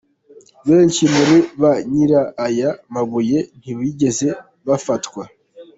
Benshi muri ba nyir’aya mabuye ntibigeze bafatwa.